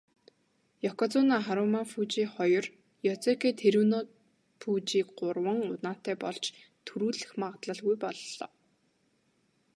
Ёкозүна Харүмафүжи хоёр, озеки Тэрүнофүжи гурван унаатай болж түрүүлэх магадлалгүй боллоо.